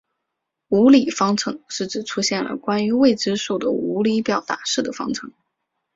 无理方程是指出现了关于未知数的无理表达式的方程。